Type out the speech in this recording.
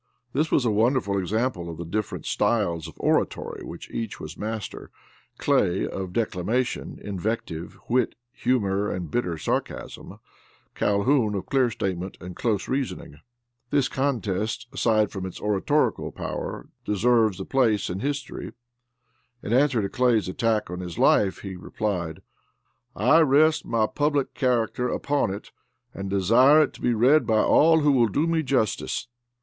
This was a wonderful example of the different styles of oratory of which each was master; Clay, of declamation, invective, wit, humor and bitter sarcasm; Calhoun of clear statement and close reasoning. This contest, aside from its oratorical power, deserves a place in history. In answer to Clay's attack on his life he replied: "I rest my public character upon it, and desire it to be read by all who will do me justice."